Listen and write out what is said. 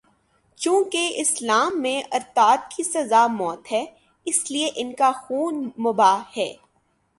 چونکہ اسلام میں ارتداد کی سزا موت ہے، اس لیے ان کا خون مباح ہے۔